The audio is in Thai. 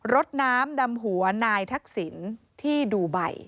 รถน้ำดำหัวนายทักษิณที่ดูใบ